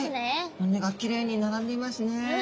骨がきれいに並んでいますね。